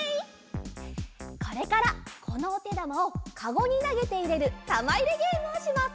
これからこのおてだまをカゴになげていれるたまいれゲームをします。